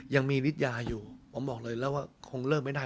วิทยาอยู่ผมบอกเลยแล้วว่าคงเลิกไม่ได้